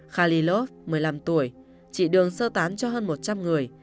khalilov một mươi năm tuổi chỉ đường sơ tán cho hơn một trăm linh người